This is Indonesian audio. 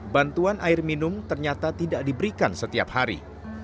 bantuan air minum ternyata tidak diberikan setiap hari